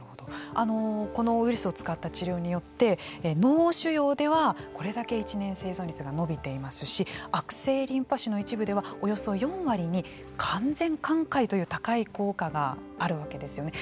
このウイルスを使った治療によって脳腫瘍ではこれだけ１年生存率が延びていますし悪性リンパ腫の一部ではおよそ４割に完全寛解という高い効果があるわけですよね。